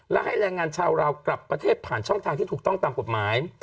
และให้แรงงานชาวราวกลับประเทศผ่านช่องทางที่ถูกต้องตามกฎหมาย